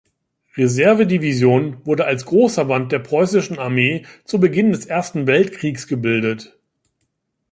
Reserve-Division wurde als Großverband der Preußischen Armee zu Beginn des Ersten Weltkriegs gebildet.